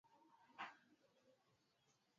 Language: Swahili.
kubwa na hasa ya ulaya marekani katika libya